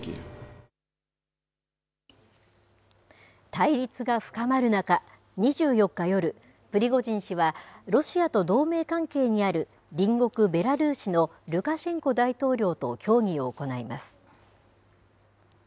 対立が深まる中、２４日夜、プリゴジン氏は、ロシアと同盟関係にある隣国ベラルーシのルカシェンコ大統領と協議を行います。